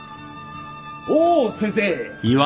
おお先生。